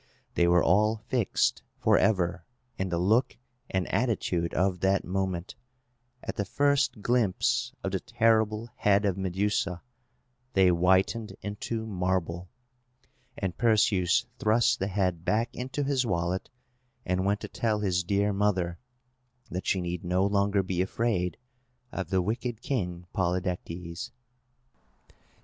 They were all fixed, forever, in the look and attitude of that moment! At the first glimpse of the terrible head of Medusa, they whitened into marble! And Perseus thrust the head back into his wallet, and went to tell his dear mother that she need no longer be afraid of the wicked King Polydectes.